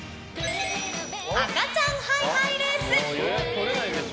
赤ちゃんハイハイレース！